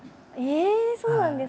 そうなんですか？